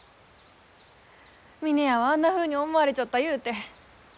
峰屋はあんなふうに思われちょったゆうて。